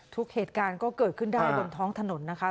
เหตุการณ์ก็เกิดขึ้นได้บนท้องถนนนะคะ